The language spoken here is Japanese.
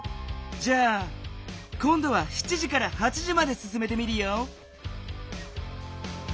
じゃあこんどは７時から８時まですすめてみるよ。